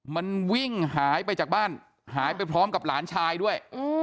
มันวิ่งหายไปจากบ้านหายไปพร้อมกับหลานชายด้วย